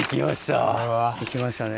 いきましたね。